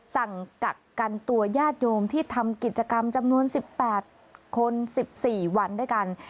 กักกันตัวญาติโยมที่ทำกิจกรรมจำนวน๑๘คน๑๔วันด้วยกัน